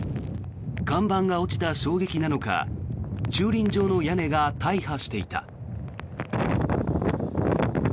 看板が落ちた衝撃なのか駐輪場の屋根が大破していた。